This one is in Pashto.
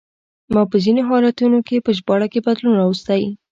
ما په ځینو حالتونو کې په ژباړه کې بدلون راوستی.